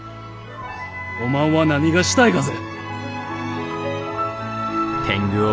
おまんは何がしたいがぜ？